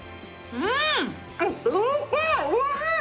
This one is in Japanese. うん！